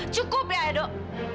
cukup ya dok